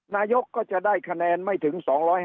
นายกก็จะได้คะแนนไม่ถึง๒๕๐